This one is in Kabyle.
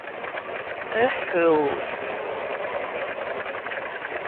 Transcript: Aḥḥu!